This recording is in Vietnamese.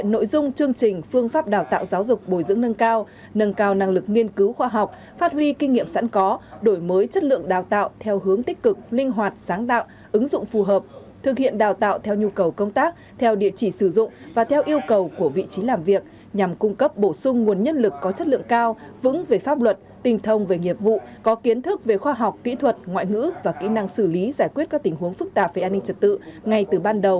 bồi dưỡng nâng cao nâng cao năng lực nghiên cứu khoa học phát huy kinh nghiệm sẵn có đổi mới chất lượng đào tạo theo hướng tích cực linh hoạt sáng tạo ứng dụng phù hợp thực hiện đào tạo theo nhu cầu công tác theo địa chỉ sử dụng và theo yêu cầu của vị trí làm việc nhằm cung cấp bổ sung nguồn nhân lực có chất lượng cao vững về pháp luật tình thông về nghiệp vụ có kiến thức về khoa học kỹ thuật ngoại ngữ và kỹ năng xử lý giải quyết các tình huống phức tạp về an ninh trật tự ngay từ ban